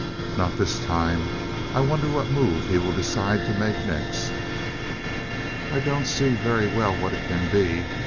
"Not this time. I wonder what move he will decide to make next." "I don't see very well what it can be.